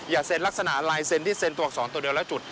อย่าเซ็นต์ลักษณะลายเซ็นต์ที่เซ็นต์๒ตัวเดียวแล้วจุด